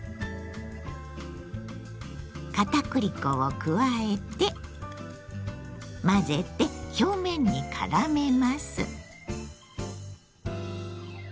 片栗粉を加えて混ぜて表面にからめます。